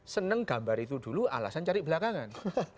seneng gambar itu dulu alasan cari belakangan